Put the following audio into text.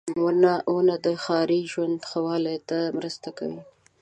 • ونه د ښاري ژوند ښه والي ته مرسته کوي.